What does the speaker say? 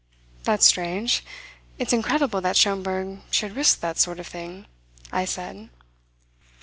"That's strange. It's incredible that Schomberg should risk that sort of thing," I said.